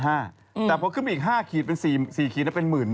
แต่พอขึ้นมีอีก๕ขีดราคาเป็น๔ขีดแล้วเป็น๑๐๐๐๐บาท